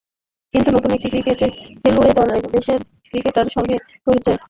কিন্তু নতুন একটি ক্রিকেট খেলুড়ে দেশের ক্রিকেটারদের সঙ্গে পরিচয় তেমন নেই মুশফিকদের।